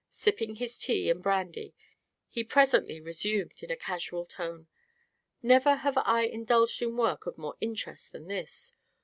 Sipping his tea and brandy he presently resumed, in a casual tone: "Never have I indulged in work of more interest than this.